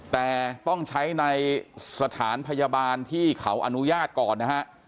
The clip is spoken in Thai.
แต่ต้องใช้ในสถานพยาบาลที่เขาอนุญาตก่อนนะฮะ